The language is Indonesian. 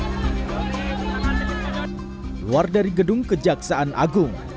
keluar dari gedung kejaksaan agung